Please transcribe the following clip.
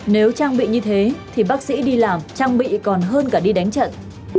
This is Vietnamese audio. nếu trang bị như thế thì bác sĩ đi làm trang bị còn hơn cả đi đánh trận